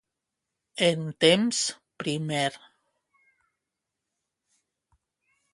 En temps primer.